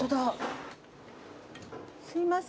すいません。